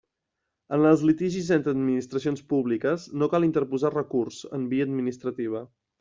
En els litigis entre administracions públiques no cal interposar recurs en via administrativa.